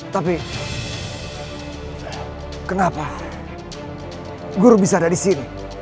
tapi kenapa guru bisa ada di sini